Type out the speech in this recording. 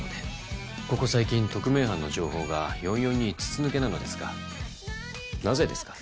ここ最近特命班の情報が４４に筒抜けなのですがなぜですか？